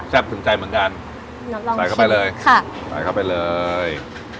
แซ่บถึงใจเหมือนกันน้ำลองชิมใส่เข้าไปเลยค่ะใส่เข้าไปเลย